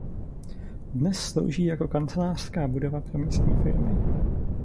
Dnes slouží jako kancelářská budova pro místní firmy.